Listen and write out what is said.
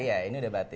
iya ini udah batik